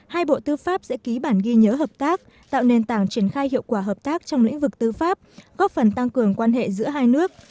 hai bộ tư pháp sẽ ký bản ghi nhớ hợp tác tạo nền tảng triển khai hiệu quả hợp tác trong lĩnh vực tư pháp góp phần tăng cường quan hệ giữa hai nước